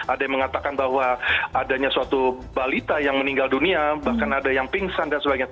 ada yang mengatakan bahwa adanya suatu balita yang meninggal dunia bahkan ada yang pingsan dan sebagainya